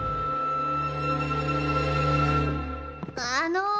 あの。